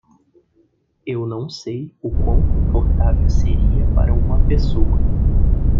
Eu não sei o quão confortável seria para uma pessoa.